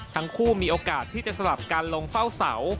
มีโอกาสที่จะสลับการลงเฝ้าเสา